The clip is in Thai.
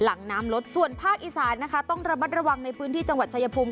หลังน้ำลดส่วนภาคอีสานนะคะต้องระมัดระวังในพื้นที่จังหวัดชายภูมิ